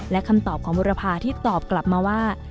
และคำตอบของบุรพาที่ตอบกลับมาว่า